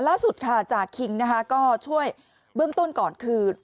ล่าสุดจากคิงก็ช่วยเบื้องต้นก่อนคือ